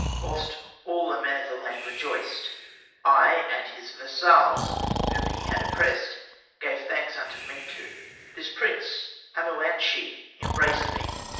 Whilst all the men of the land rejoiced, I, and his vassals whom he had oppressed, gave thanks unto Mentu. This prince, Amu an shi, embraced me.